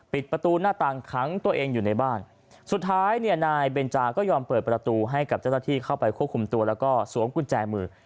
ประตูหน้าต่างขังตัวเองอยู่ในบ้านสุดท้ายเนี่ยนายเบนจาก็ยอมเปิดประตูให้กับเจ้าหน้าที่เข้าไปควบคุมตัวแล้วก็สวมกุญแจมือ